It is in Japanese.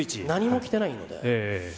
何も着てないので。